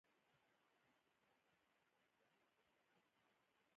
موږ به سبا یوځای کار وکړو.